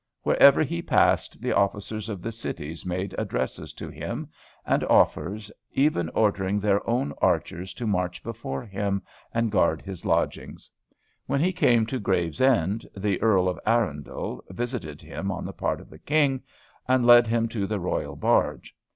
Wherever he passed, the officers of the cities made addresses to him, and offers, even ordering their own archers to march before him and guard his lodgings. When he came to Gravesend, the Earl of Arundel visited him on the part of the King, and led him to the Royal barge.